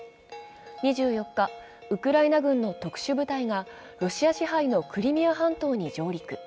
２４日、ウクライナ軍の特殊部隊がロシア支配のクリミア半島に上陸。